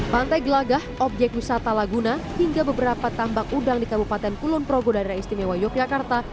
pantai gelagah objek wisata laguna hingga beberapa tambak udang di kabupaten kulon progo daerah istimewa yogyakarta